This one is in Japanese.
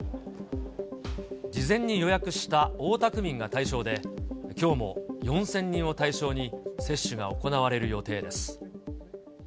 事前に予約した大田区民が対象で、きょうも４０００人を対象に接種が行われる予定です。